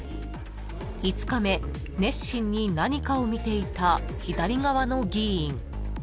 ［熱心に何かを見ていた左側の議員］